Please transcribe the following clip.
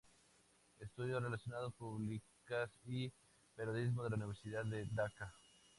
Estudió relaciones públicas y periodismo en la Universidad de Dhaka.